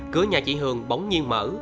cửa nhà chị hường bóng nhiên mở